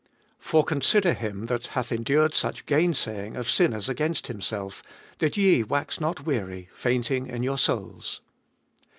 For consider Him that hath endured such gainsaying of sinners against Himself, that ye wax not weary, fainting in your souls.